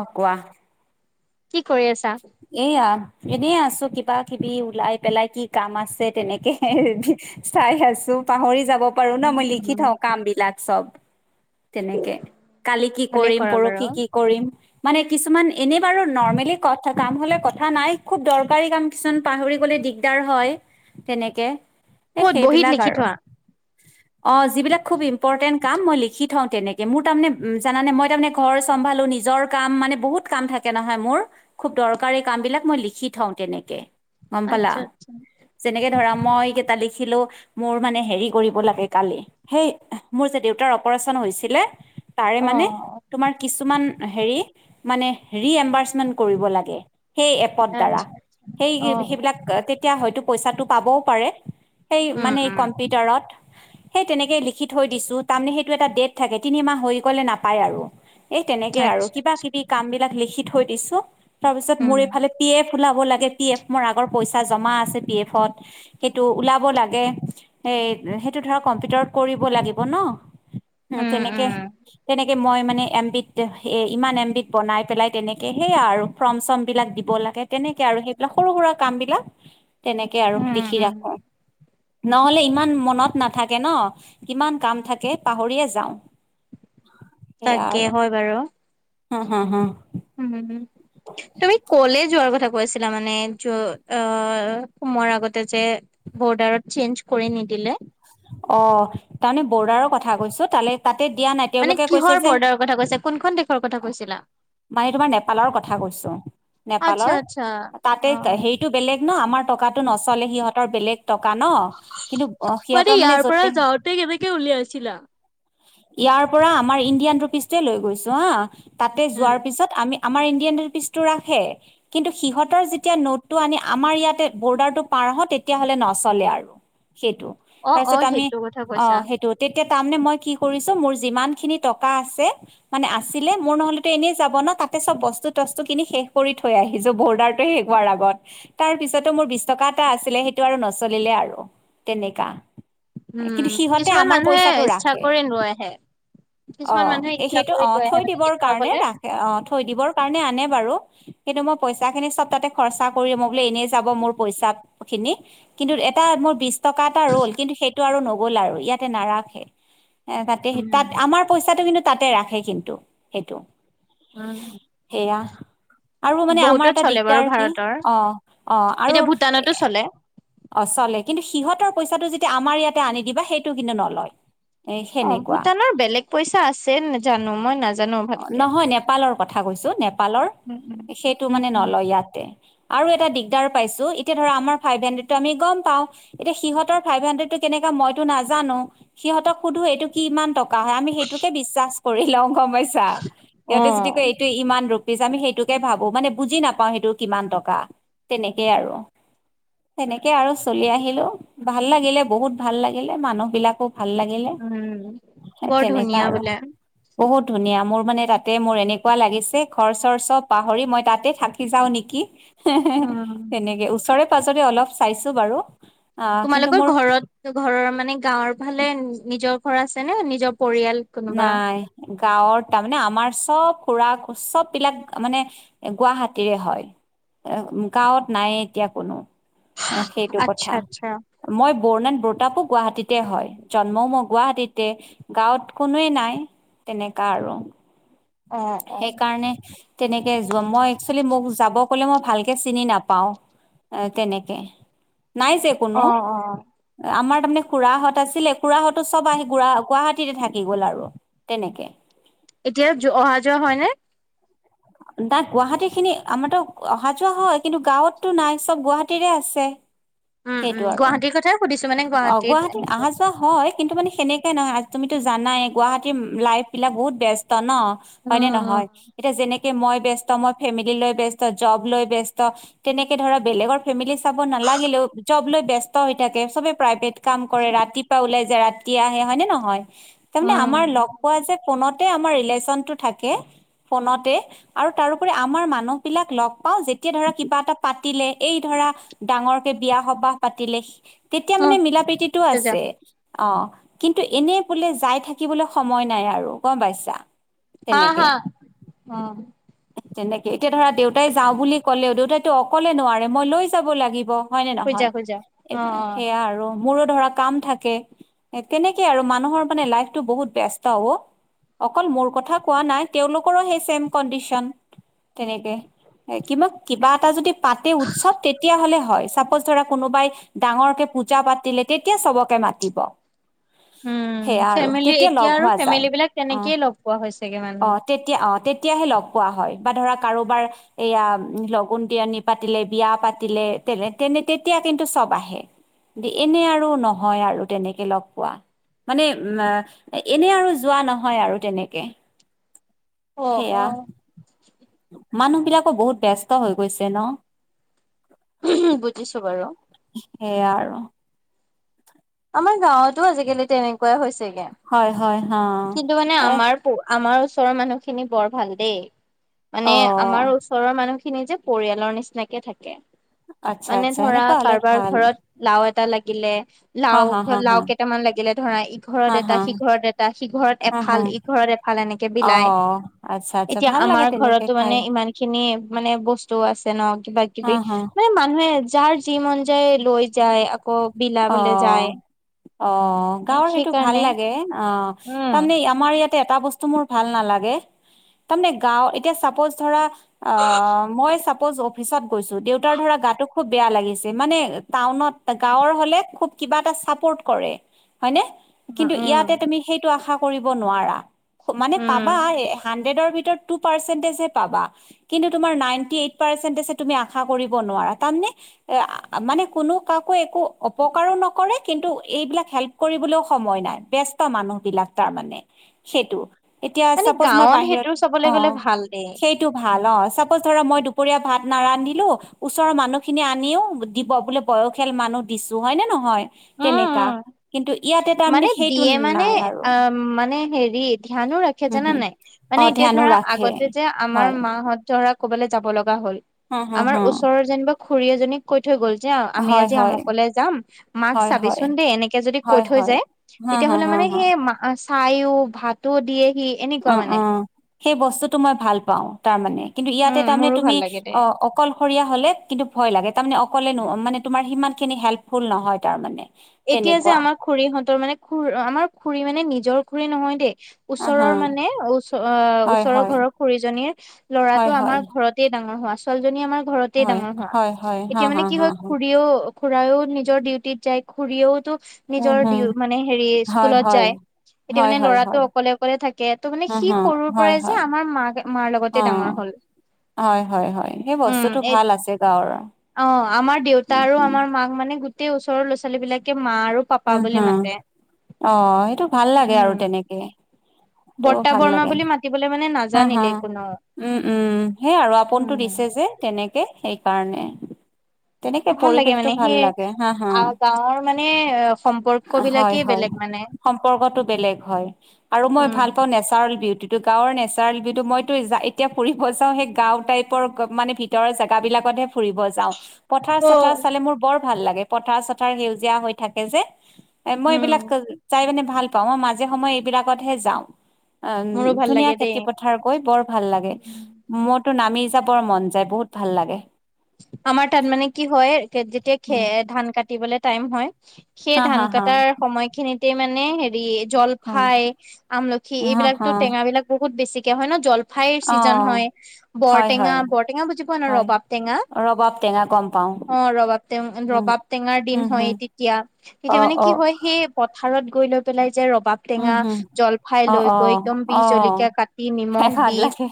অ কোৱা কি কৰি আছা এইয়া এনেই আছো কিবা কিবি ওলাই পেলাই কি কাম আছে তেনেকে চাই আছো পাহৰি যাব পাৰো ন মই লিখি থওঁ কাম বিলাক চব তেনেকে কালি কি ভালে কৰিম কৰা বাৰু পৰহি কি কৰিম মানে কিছুমান এনেই বাৰু নৰ্মেলি ক কাম হলে কথা নাই খুব দৰকাৰী কাম কিছুমান পাহৰি গলে দিগদাৰ হয় তেনেকে এ ক'ত বহীত সেইবিলাক লিখি আৰু থোৱা অ যিবিলাক খুব ইম্পৰ্টেণ্ট কাম মই লিখি থও তেনেকে মোৰ তাৰমানে উম জান নে মই তাৰমানে ঘৰ চম্ভালো নিজৰ কাম মানে বহুত কাম থাকে কেনেহয় মোৰ খুব দৰকাৰ এই কাম বিিলাক মই লিখি থওঁ তেনেকে গম পালা আচ্ছা আচ্ছা যেনেকে ধ মই কেইটা লিখিলো মোৰ মানে হে কৰিব লাগে কালি সেই মোৰ যে দেউতাৰ পৰত অপচন হৈছিলে তাৰে অ মানে তোমাৰ কিছুমান হে মানে [unintelligible] ম আচ্ছা আচ্ছা অ উম উম সেই তেনেকেই লিখি থৈ দিছো তাৰমানে সেইটো এটা ডেট থাকে তিনিমাহ হৈ গলে নাপায় আৰু এই তেনেকে আৰু আচ্ছা কিবা আচ্ছা কিবি কাম বিলাক লিখি থৈ দিছো তাৰপিছত মোৰ উম এইফালে পি এফ ওলাব লাগে পিএফ ম আগৰ পইচা জমা আছে পিএফত সেইটো ওলাব লাগে ল উম তেনেকে উম তেনেকে মই মানে এমবিধ এ ইমান এমবিধ বনাই পেলাই তেনেকে সেইয়া আৰু ফ্ৰৰ্ম চৰ্ম বিলাক দিব লাগে তেনেকে আৰু সেইবিলাক সৰু সুৰা কাম বিিলাক তেনেকে আৰু উম লিখি উম ৰাখো নহলে ইমান মনত নাথাকে ন কিমান কাম থাকে পাহৰিয়ে যাওঁ [inaudible] তাকে হয় বাৰু হ হা হা [inaudible] উম তুমি কলে যোৱাৰ কথা ক গৈছিলা মানে য অ সোমৰ আগতে যে বৰ্ডাৰত চেঞ্জ কৰি নিদিলে [inaudible] অ তাৰমানে বৰ্ডাৰৰ কথা কৈছো তালে তাত মানে কিহৰ বৰ্ডাৰৰ কথা কৈছা কোনখন দেশৰ কথা কৈছিলা মানে তোমাৰ নেপালৰ কথা কৈছো আচ্ছা নেপালৰ আচ্ছা তাতে অ হেৰিটো বেলেগ ন আমাৰ টকাটো নচলে সিহঁতৰ বেলেগ টকা ন, কিন্তু সিহঁতৰ ইয়াৰ মানে পৰা যতে, যাওঁতে কেনেকে উলিয়াইছিলা? ইয়াৰ পৰা আমাৰ ইণ্ডিয়ান ৰুপিচটোৱে লৈ গৈছো হা, তাতে উম যোৱাৰ পিছত আমি আমাৰ ইণ্ডিয়ান ৰুপিচটো ৰাখে। কিন্তু সিহঁতৰ যেতিয়া নোটটো আনি আমাৰ ইয়াতে বৰ্ডাৰটো পা পাৰ হওঁ, তেতিয়া হ'লে নচলে আৰু। সেইটো অ তাৰ অ পিছত আমি সেইটো কথা অ কৈছা সেইটো, তামনে মই কি কৰিছে, মোৰ যিমান খিনি টকা আছে মানে আছিলে, মোৰ নহ'লেটো এনেই যাব না তাতে চব বস্তু তো তস্তুখিনি শেষ কৰি থৈ আহিছো বৰ্ডাৰটো শেষ হোৱাৰ আগত তাৰ পিছতো মোৰ বিছ টকা এটা আছিলে সেইটো আৰু নচলিলে আৰু তেনেকা। কিন্তু উম, সিহঁতে কিছুমান আমাৰ মানুহে পইচাটো ইচ্ছা ৰাখে কৰি নৈ আহে। অ, কিছুমান মানুহে ইচ্ছা সেই-সেইটো কৰি অ, লৈ আহে থৈ মানে দিবৰ কাৰণে দেখুৱাবলে ৰাখে অ, থৈ দিবৰ কাৰণে আনে বাৰু কিন্তু মই পইচা খিনি চব তাতে খৰচা কৰি মই বোলে এনেই যাব মোৰ পইচাত খিনি কিন্তু এটা মোৰ বিছ টকা এটা ৰ'ল কিন্তু সেইটো আৰু ন গ'ল আৰু ইয়াতে নাৰাখে এ তাতে তাত উম আমাৰ পইচাটো কিন্তু তাতে ৰাখে কিন্তু সেইটো উম সেয়া আৰু মানে আমাৰ বহুতত এটা চলে বাৰু দিগদাৰ আৰু কি ভাৰতৰ অ', অ', আৰু এতিয়া এ ভূটানতো চলে অ, চলে কিন্তু সিহঁতৰ পইচাটো যেতিয়া আমাৰ ইয়াতে আনি দিবা সেইটো কিন্তু নলয়। এ অ, সেনেকুৱা ভূটানৰ বেলেগ পইচা আছে জানো মই নাজানো। অ, ভালকে নহয় নেপালৰ কথা কৈছো নেপালৰ উম সেইটো উম উম মানে উম নলয় ইয়াতে। আৰু এটা দিগদাৰ পাইছো এতিয়া ধৰা আমাৰ ফাইভ হান্দ্ৰেডটো আমি গম পাও এতিয়া সিহঁতৰ ফাইভ হানড্ৰে [unintelligible] কেনেকা মইতো নাজানো সিহঁতক সোধো এইটো কি ইমান টক টকা হয় আমি সেইটোকে বিশ্বাছ কৰি লওঁ গম পাইছা অ সিহঁতে যদি কয় এইটো ইমান ৰূপ পিচ আমি সেইটোকে ভাবো মানে বুজি নাপাও সেইটো কিমান টকা তেনেকেই আৰু। সেনেকে আৰু চলি আহিলো ভাল লাগিলে বহুত ভাল লাগিলে মানুহ বিলাকো ভাল লাগিলে উম সে বৰ তেনেকা ধুনীয়া আৰু বোলে বহুত ধুনীয়া মোৰ মানে তাতে মোৰ এনেকুৱা লাগিছে ঘৰ চৰ চব পাহৰি মই তাতে থাকি যাও নিকি। হে -হে উম তেনেকে ওচৰে-পাজৰে অলপ চাইছো বাৰু। আহ কিন্তু তোমালোকৰ মোৰ ঘৰত ঘৰৰ মানে গাঁৱৰ ফালে নিজৰ ঘৰ আছে নে নিজৰ পৰিয়াল কোনোবা নাই গাঁৱৰ টা মানে আমাৰ চব খুৰা চব বিলাক মানে গুৱাহাটীৰে হয়। গাঁৱত নাই এতিয়া কোনো। সেইটো আচ্ছা কথা আচ্ছা মই বৰ্ণাত ব তাকো গুৱাহাটীতে হয় জন্মও মোৰ গুৱাহাটীতে গাঁৱত। কোনোৱেই নাই তেনেকা আৰু। অ অ সেইকাৰণে তেনেকে যোৱা মই একচেলি মোক। যাব ক'লে মই ভালকে চিনি নাপাওঁ তেনেকে। নাই যে কোনো অ অ আমাৰ। তাৰমানে খুৰাহঁত আছিলে খুৰাহঁতো চব আহি গুৰা গুৱাহাটীতে থাকি গ'ল আৰু তেনেকে। এতিয়া অহা যোৱা হয় নে? তাত গুৱাহাটী খিনি আমাৰতো অহা যোৱা হয়। কিন্তু গাঁৱতটো নাই চব গুৱাহাটীৰে আছে। উম, উম, সেইটো আৰু গুৱাহাটীৰ কথাই সুধিছো মানে অ' গুৱাহাটীত এনেকে অহা যোৱা হয় কিন্তু মানে সেনেকে নহয়। তুমিটো জানাই গুৱাহাটীৰ লাইফ বিলাক বহুত ব্যস্ত ন হয় নে উম, নহয় এতিয়া যেনেকে মই ব্যস্ত মই ফেমিলি লৈ ব্যস্ত, জব লৈ ব্যস্ত, তেনেকে ধৰা বেলেগৰ ফেমিলি চাব নালাগে। লাগিলেও জব লৈ ব্যস্ত হৈ থাকে চবে প্ৰাইভেট। কাম কৰে ৰাতিপুৱা ওলাই যায় ৰাতি আহে হয়নে নহয় তাৰমানে উম, আমাৰ লগ পোৱা যে ফোনত। এ আমাৰ ৰিলেশ্বনটো থাকে ফোনতে আৰু তাৰ উপৰি আমাৰ মানুহবিলাক লগ। লগ পাও যেতিয়া ধৰা কিবা এটা পাতিলে এই ধৰা ডাঙৰ কে বিয়া সবাহ পাতিলে। তেতিয়া উম, মানে মিলা প্ৰীতিটো শুই যা আছে। অ' কিন্তু এনে বোলে যাই থাকিবলৈ সময় নাই আৰু গম পাইছা। হা- তেনেকে হা অ তেনেকে এতিয়া ধৰা, দেউতাই যাওঁ বুলি ক'লেও দেউতাইতো অকলে নোৱাৰে মই লৈ যাব লাগিব। হয় নে শুই যা, নহয়? শুই যা এই অ', অ', সেয়া আৰু। মোৰো ধৰা কাম থাকে, তেনেকে আৰু মানুহৰ মানে লাইফটো বহুত ব্যস্ত ও। অকল মোৰ কথা কোৱা নাই তেওঁলোকৰো সেই চেম। কনডিচন তেনেকে কিন্তু কিবা এটা যদি পাতে উৎসৱ তেতিয়া হলে হয় ধৰা কোনোবাই ডাঙৰকে পূজা পাতিলে তেতিয়া চবকে মাতিব উম, সেয়া আৰু ফেমিলি তেতিয়া এতিয়া লগ আৰু হোৱা যায় ফেমিলি বিলাক অ' তেনেকেই লগ পোৱা হৈছেগে মানুহ। অ' তেতিয়া অ' তেতিয়া তেতিয়াহে লগ পোৱা হয় বা ধৰা কাৰোবাৰ এইয়া লগুণ দিয়নী পাতিলে বিয়া পাতিলে তেনে তেনে তেতিয়া কিন্তু চব আহে দে এনে আৰু নহয় আৰু তেনেকে লগ পোৱা মানে উম এনে আৰু যোৱা নহয় আৰু তেনেকে অ' সেয়া অ' মানুহ বিলাকো বহুত ব্যস্ত হৈ গৈছে ন বুজিছো বাৰু সেইয়া আৰু আমাৰ গাঁৱতো আজিকালি তেনেকুৱাই হৈছে হয় হয় হা কিন্তু মানে এ আমাৰ আমাৰ ওচৰৰ মানুহখিনি বৰ ভাল দেই মানে অ আমাৰ ওচৰৰ মানুহখিনি যে পৰিয়ালৰ নিচিনাকে থাকে আচ্ছা মানে আচ্ছা ধৰা সেনেকুৱা হলে কাৰোবাৰ ভাল ঘৰত লাও এটা এটা লাগিলে হা লাও হা হা লাও হা কেইটামান লাগিলে ধৰা ইঘৰত হা এটা হা সিঘৰত এটা সিঘৰত হা হা এফাল ইঘৰত এফাল এনেকে বিলায় অ', আচ্ছা আচ্ছা এতিয়া ভাল লাগে আমাৰ তেনেকে ঘৰতো খাই মানে ইমান খিনি মানে বস্তু আছে ন কিবা অ', কিবি হা মানুহে যাৰ যি মন যায় লৈ যায় আকৌ বিলাবলে যায় অ' অ' মানে গাঁৱৰ সেইটো ভাল সেইকাৰণে লাগে অ' অ' উম তাৰমানে আমাৰ ইয়াত এটা বস্তু মোৰ ভাল নালাগে তাৰমানে গাঁওত এতিয়া চাপজ ধৰা অ, মই চ জ অফিচত গৈছো দেউতাৰ ধৰা গাটো খুব বেয়া লাগিছে মানে টাউনত গাঁৱৰ, হলে খুব কিবা এটা চাপৰ্ট কৰে, হয় নে? উম কিন্তু ইয়াতে উম তুমি সেইটো আশা কৰিব নোৱাৰা। মানে পাবা উম হান ন্দ্ৰে ৰ ভিতৰত টোও পাৰ্চেন্ত হে পাবা কিন্তু তোমাৰ নাইন্তী এইট পৰ্চেন্ত আছে তুমি আশা কৰিব নোৱাৰা। তাৰমানে এ মানে কোনো কাকো একো অপকাৰো নকৰে কিন্তু এইবিলাক হেল্প কৰিবলৈও সময় নাই ব্যস্ত মানুহবিলাক তাৰ মানে। সেইটো এতিয়া মানে চাপজ মই গাঁৱত বাহিৰত সেইটো চাবলৈ অ, গ'লে ভাল দেই সেইটো ভাল উম অ, চাপজ ওচৰ মই দুপৰীয়া ভাত নাৰন্ধিলো ওচৰৰ মানুহ খিনি আনিও দিব বোলে বয়সীয়াল মানুহ, দিছো হয় নে নহয়? তেনেকা। উম কিন্তু ইয়াতে তাৰমানে মানে সেইটো দিয়ে মানে নাই আৰু অ, মানে হেৰি ধ্যানো ৰাখে হম জানা হম নাই। মানে অ এতিয়া ধ্যানো ধৰা ৰাখে আগতে যে আমাৰ হয় মাহত ধৰক ক'বাল যাব লগা হ'ল হা হা আমাৰ হা ওচৰৰ যেনিবা খুৰী এজনীক কৈ থৈ গল যে আমি হয় আজি হয় আমুকলে যাম। মাক হয় ছবি হয় চুন দেই, এনেকে হলে কৈ হয় থৈ হয় যায়, হা তেতিয়া হা হলে হা হা সেই মাক চাইও ভাতো দিয়ে সি এনেকুৱা অ অ মানে। সেই বস্তুতটো মই ভাল পাওঁ তাৰমানানে কিন্তু ইয়াতে উম তাৰমানে মোৰো তুমি ভাল লাগে দে অ' অকল, ৰীয়া হলে কিন্তু ভয় লাগে তাৰ মানে অকলে ন মানে তোমাৰ সিমান খিনি হেল্পফুল নহয় তাৰ মানে। এতিয়া যে আমাৰ খুৰীহঁতৰ মানে খুৰ আমাৰ খুৰী মানে নিজৰ খুৰী নহয় দেই। আ হা ওচৰৰ মানে ওচ হয় ওচৰৰ হয় ঘৰৰ খুুৰীজনীৰ হয় ল'ৰাটো হয় আমাৰ ঘৰতে ডাঙৰ হোৱা। ছোৱাল জনী আমাৰ ঘৰতে হয় ডাঙৰ হ হয় হয় হা এতিয়া মানে হা কি হা হয় খুৰীও, খুডৰাও নিজৰ ডিউটিত যায় খুুৰীয়েওতো উম নিজৰ হুম ডউ মানে হেৰি হয় স্কুলত হয় যায়। এতিয়া হয় মানে হয় হয় ল'ৰাটো অকলে-অকলে থাকে, ত' মানে হা সি হা সৰুৰ হয় পৰাই যে হয় আমাৰ মাক মাৰ অ লগতে ডাঙৰ হল। হয় হয় হয় সেই উম বস্তুতটো এই ভাল আছে গাঁৱৰে অ আমাৰ দেউতা আৰু আমাৰ মাক মানে গোটেই ওচৰৰ ল'ৰা ছোৱালী বিলাকে মা আৰু উ পাপা বুলি হা মাতে অ সেইটো ভাল লাগে আৰু উম। তেনেকে সেইটো বৰ্তা ভাল বৰৰ্মা লাগে বুলি মাতিবলে মানে হা হা নাজানিলেই কোনো। উম উম সেই আৰু আপোনতটো দিছে উম যে তেনেকে সেইকাৰণে। তেনেকে ভাল লাগে পৰিৱেশটো মানে ভাল সেই লাগে হা হা। গৰ্ক বিলাকেই বেলেগ মানে। সম্পৰ্কতটো বেলেগ হয় আৰু মই উম ভাল পাওঁ নেচাৰেল বিউটিটো গাঁৱৰ নেচাৰেল বিটো মইতো এতিয়া ফুৰিব যাওঁ সেই গাঁও টাইপৰ মানে ভিতৰৰ জেগাবিলাকতহে ফুৰিব যাওঁ পথাৰ অ চথাৰ চালে মোৰ বৰ ভাল লাগে পথাৰ চথাৰ সেউজীয়া হৈ থাকে যে। এ মই উম এইবিলাক চাই মনে ভাল পাওঁ মই মাজে সময়ে এইবিলাকতহে যাওঁ। অ মোৰো ভাল ধুনীয়া লাগে দেই খেতি পথাৰ গৈ বৰ ভাল লাগে, ম টো নামি যাবৰ মন যায় বহুত ভাল লাগে। আমাৰ তাত মানে কি হয় যেতিয়া খ উম, ধান কাটিবলে টাইম হয় সেই হা হা ধান হা কটাৰ সময় খিনিতে মানে হেৰি হা জলফাই, আমলখি হা হা এইবিলাকতো টেঙা বিলাক বহুত বেছিকে হয় ন। জলফাই ফাইৰ চিজন অ' হয় হয় হয় বৰটেঙা বৰটেঙা বুজি পোৱা ন হয় ৰবাব টেঙা। ৰবাব টেঙা কম অ ৰবাব টং ৰবাব টেঙাৰ দিন উম হয় হুম তেতিয়া অ তেতিয়া মানে অ কি হয় সেই পথাৰ গৈ লৈ পেলাই যে ৰ বাব উম টেঙা হুম জলফাই অ লৈ অ গৈ একদম বিষ অ জলকীয়া কাটি খাই নিমখ ভাল দি, লাগে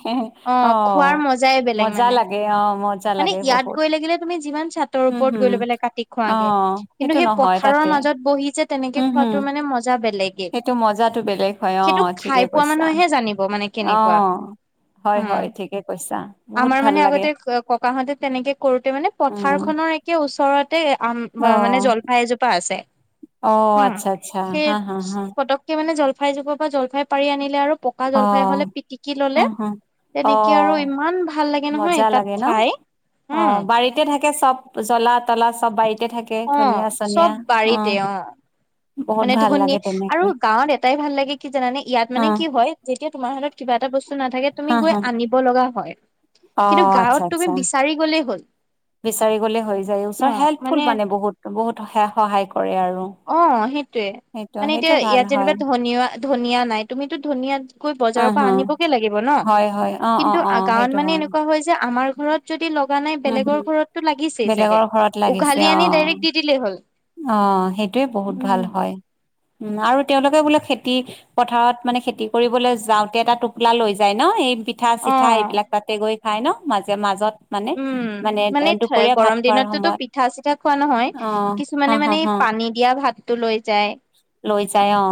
অ। খোৱাৰ মজাই বেলেগ মজা মানে লাগে অ মজা মানে। লাগে ইয়াত বহুত গৈ লাগিলে তুমি যিমান চাতৰ উম ওপৰত হুম গৈ লৈ পেললে কাটি অ খোৱাগে কিন্তু সেইটো সেই নহয় পথাৰৰ তাতে মাজত বহি যে তেনেকে উম হুম খোৱাতো মানে মজা বেলেগ। সেইটো মজাতো বেলেগ হয় অ ঠিকে পোৱা কৈছা মানুহেহে জানিব মানে অ। কেনেকুৱা হয় উম হয় ঠিকে কৈছা বহুত ভাল লাগে। ককাহতে তেনেকে কৰোতে মানে উম পথাৰ খনৰ একে ওচৰতে আম অ মানে জলফাই এজোপা আছে। অ উম আচ্ছা আচ্ছা সেই হা হা হা। পতককে মানে জলফাই যুগ বা জলফাই পাৰি আনিলে আৰু পকা অ জলফাই হলে পিটিকি ললে উম হুম অ তেনেকে আৰু ইমান ভাল লাগে নহয় মজা তাত লাগে ন খাই। অ উম বাৰীতে থাকে চব জ্বলাত মচলা চব বাৰীতে থাকে অ ধনিয়া চনিয়া চব অ। বাৰীতে বহুত মানে ভাল ধনি লাগে আৰু তেনেকে গাঁৱত এটাই ভাল লাগে কি জানে ইয়াত মানে অ', কি হয় যেতিয়া তোমাৰ হাতত কিবা এটা বস্তু নাথাকে হা তুমি গৈ হা আনিব লগা হয় কিন্তু অ', আচ্ছা গাঁৱত তুমি আচ্ছা বিচাৰি গলেই হ'ল। বিচাৰি গলে হৈ যায় ওচৰ হেল্পফুল মানে বহুত বহুত স সহায় কৰে আৰু। অ সেইটোৱে সেইটো মানে সেইটো এতিয়া ভাল ইয়াত হয় যেনিবা ধনিয়া ধনিয়া নাই তুমিতো ধনিয়াত গৈ বজাৰৰ অ', হ পৰা আনিব গে লাগিব ন হয় হয় অ', কিন্তু অ', অ', গাঁৱত সেইটো মানে এনেকুৱা হয় যে আমাৰ ঘৰত যদি ল গোৱা নাই উম, বেলেগৰ ঘৰতো লাগিছেই চাগে বেলেগৰ ঘৰত লাগিছে উঘালি আনি ডাইৰেক্ট দি দিলেই হ'ল। সেইটোয়ে বহুত ভাল হয়। উ আৰু তেওঁলোকে বোলে খেতি পথাৰত মানে খেতি কৰিবলৈ যাওঁতে এটা টোপলা লৈ যায় ন, এই পিঠা চিঠা অ', এইবিলাক তাতে গৈ খায় ন মাজে মাজত মানে। উম মানে দুপৰীয়া ভাত গৰম খোৱাৰ দিনততো সময়ত পিঠা চিঠা খোৱা নহয় অ হ কিছুমানে হ মানে হ পানী দিয়া ভাতটো লৈ যায়। লৈ যাই অ।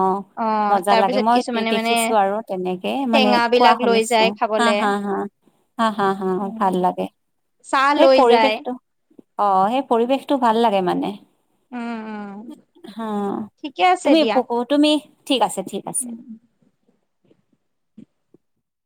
অ', মজা তাৰ লাগে পিছত মই কিছুমানে মানে দেখিছো আৰু তেনেকে মানে টেঙা কোৱা বিলাক লৈ শুনিছো যায় হা খাবলে। হা হা। হ হা হা ভাল লাগে। চাহ সেই লৈ যায়। পৰিৱেশটো অ', সেই পৰিৱেশটো ভাল লাগে মানে। উম, উম, হ', ঠিকে আছে তুমি দিয়া। প', তুমি ঠিক আছে। ঠিক আছে।